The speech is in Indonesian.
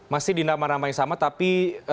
masih dinama namanya sama tapi